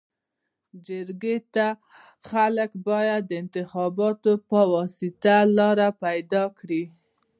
جرګي ته خلک باید د انتخاباتو پواسطه لار پيداکړي.